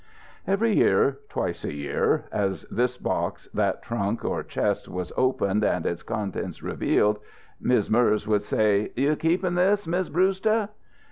Every year, twice a year, as this box, that trunk or chest was opened and its contents revealed, Mis' Merz would say "You keepin' this, Miz' Brewster?"